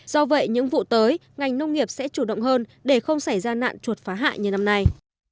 do vậy những vụ tới ngành nông nghiệp sẽ chủ động hơn để không xảy ra nạn chuột phá hại như năm nay